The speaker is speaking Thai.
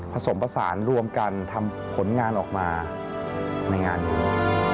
ผสมผสานรวมกันทำผลงานออกมาในงานนี้